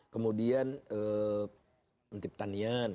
kemudian menti pertanian